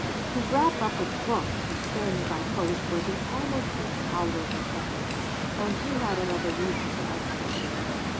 To wrap up a book to send by post was an almost intolerable effort, and he had another reason for hesitating.